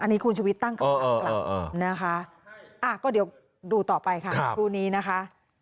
อันนี้คุณชุวิตตั้งคำถามกลับนะคะก็เดี๋ยวดูต่อไปค่ะครู่นี้นะคะ